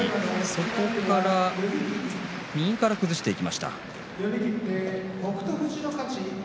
そこから右から崩していきました。